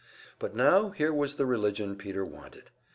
But now here was the religion Peter wanted.